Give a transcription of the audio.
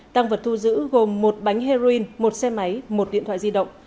tăng vật thu giữ gồm một bánh heroin một xe máy một điện thoại di động